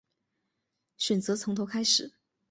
选择从头开始